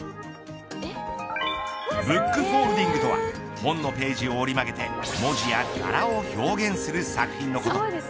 ブックフォールディングとは本のページを折り曲げて文字や柄を表現する作品のこと。